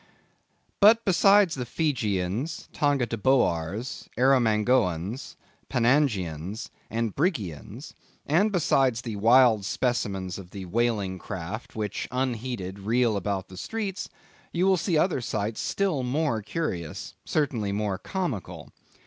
But, besides the Feegeeans, Tongatobooarrs, Erromanggoans, Pannangians, and Brighggians, and, besides the wild specimens of the whaling craft which unheeded reel about the streets, you will see other sights still more curious, certainly more comical.